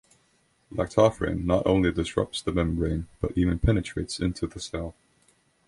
Lactoferrin not only disrupts the membrane, but even penetrates into the cell.